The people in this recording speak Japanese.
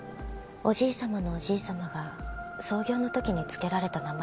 おじい様のおじい様が創業の時に付けられた名前ですよね。